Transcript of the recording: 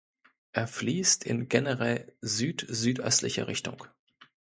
Er fließt in generell südsüdöstlicher Richtung.